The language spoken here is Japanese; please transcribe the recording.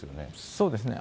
そうですね。